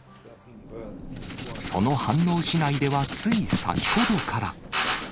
その飯能市内ではつい先ほどから。